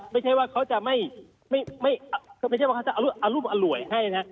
ไม่ใช่ว่าเขาจะไม่ใช่ว่าเขาจะเอารูปอร่วยให้นะ